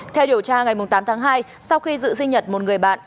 theo điều tra ngày tám tháng hai sau khi dự sinh nhật một người bạn